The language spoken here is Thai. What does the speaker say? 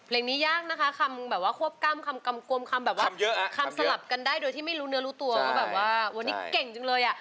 อเรนนี่ชิคกี้พายเพลงนี้ยากนะคะคำควบกรรมประดาษสาหรับกันได้โดยที่ไม่รู้เนื้อรู้ตัววันนี้เก่งจริงเลยอ่ะ